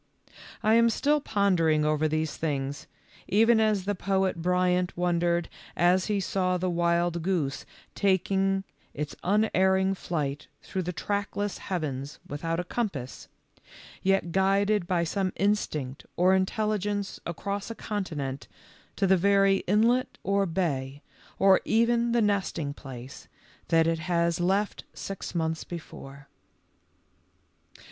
I am still pondering over these things, even as the poet Bryant wondered as he saw the wild goose taking its unerring flight through the trackless heavens without a compass, yet guided by some instinct or intelligence across a continent to the very inlet or bay, or even the nesting place, that it has left six months before.